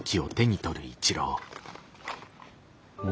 お。